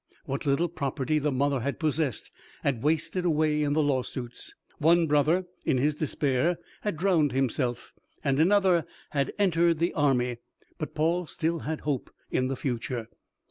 What little property the mother had possessed had wasted away in the lawsuits; one brother in his despair had drowned himself, and another had entered the army; but Paul still had hope in the future.